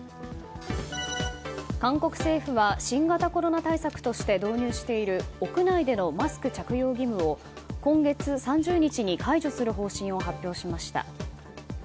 韓国政府は新型コロナ対策として導入している屋内でのマスク着用義務を今月３０日に解除する方針を発表しました。